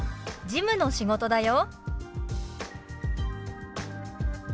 「事務の仕事だよ」。